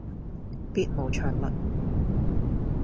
別無長物